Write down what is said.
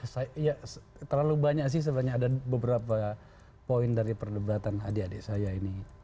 saya terlalu banyak sih sebenarnya ada beberapa poin dari perdebatan adik adik saya ini